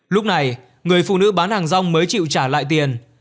lúc này người phụ nữ bán hàng rong mới chịu trả lại tiền